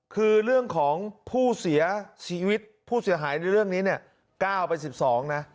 คือเรื่องของผู้เสียชีวิตผู้เสียหายในเรื่องนี้เนี่ย๙ไป๑๒นะ